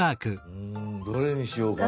うんどれにしようかな。